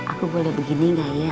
aku boleh begini gak ya